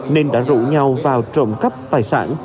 nên đã rủ nhau vào trộm cắp tài sản